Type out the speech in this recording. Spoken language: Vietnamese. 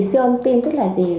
siêu âm tim tức là gì